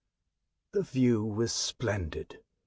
The view was splendid.